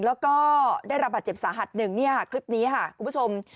แล้วก็ได้รับบาดเจ็บสาหัสหนึ่งเนี่ยคลิปนี้ค่ะคุณผู้ชม